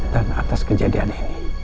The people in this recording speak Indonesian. dan atas kejadian ini